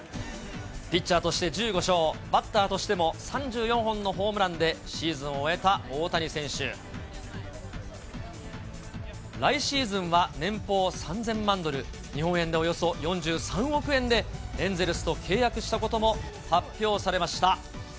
ピッチャーとして１５勝、バッターとしても３４本のホームランで、シーズンを終えた大谷選手。来シーズンは年俸３０００万ドル、日本円でおよそ４３億円でエンゼルスと契約したことも発表されました。